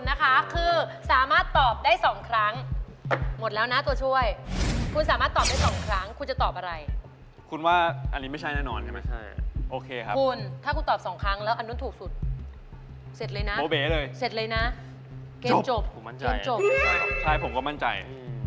เสร็จเลยนะโบเบเลยเสร็จเลยนะจบเกร็นจบผมมั่นใจเกร็นจบใช่ครับใช่ผมก็มั่นใจ